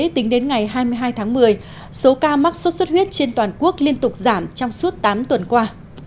tính đến ngày hai mươi hai tháng một mươi số ca mắc sốt xuất huyết trên toàn quốc liên tục giảm trong suốt tám tuần qua